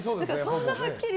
そんなはっきり。